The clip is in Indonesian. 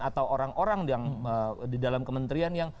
atau orang orang yang di dalam kementerian yang